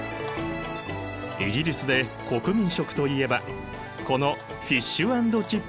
イギリスで国民食といえばこのフィッシュ＆チップスなのだ！